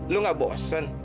lu gak bosen